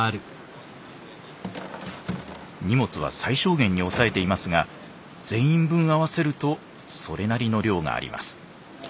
荷物は最小限に抑えていますが全員分合わせるとそれなりの量があります。